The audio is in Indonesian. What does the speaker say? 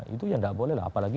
itu ya nggak boleh lah apalagi